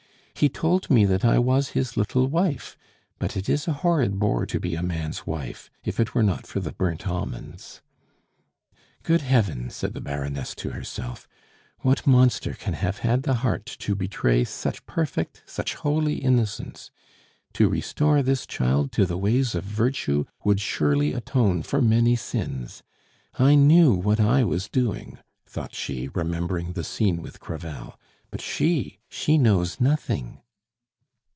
"He told me that I was his little wife; but it is a horrid bore to be a man's wife if it were not for the burnt almonds!" "Good Heaven!" said the Baroness to herself, "what monster can have had the heart to betray such perfect, such holy innocence? To restore this child to the ways of virtue would surely atone for many sins. I knew what I was doing." thought she, remembering the scene with Crevel. "But she she knows nothing."